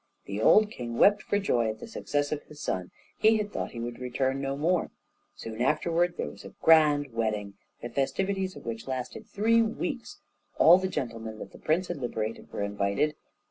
The old king wept for joy at the success of his son; he had thought he would return no more. Soon afterward there was a grand wedding, the festivities of which lasted three weeks; all the gentlemen that the prince had liberated were invited.